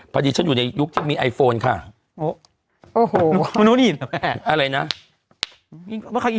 พอดีฉันอยู่ในยุคที่มีไอโฟนค่ะโอ้โหมนุษย์เห็นแบบแบบอะไรนะ